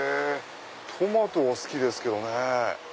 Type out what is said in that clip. トマトは好きですけどね。